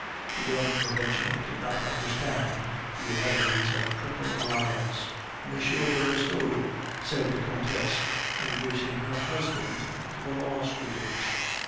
The young provincial did not understand the amenities of a triple alliance. "M. de Restaud," said the Countess, introducing her husband to the law student.